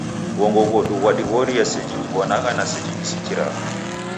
W'ongo ghodu ghwadighoria seji diw'onagha na seji disikiragha.